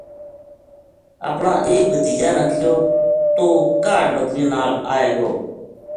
اپنا ایک بھتیجا نا کہیو تو ہ کاہڈ بکریاں نال آئے گو